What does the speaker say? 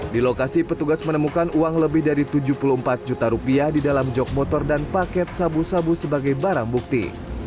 di lokasi petugas menemukan uang lebih dari tujuh puluh empat juta rupiah di dalam jog motor dan paket sabu sabu sebagai barang bukti